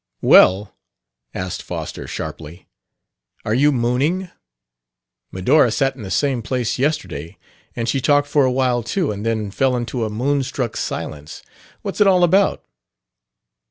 "Well," asked Foster sharply, "are you mooning? Medora sat in the same place yesterday, and she talked for awhile too and then fell into a moonstruck silence. What's it all about?"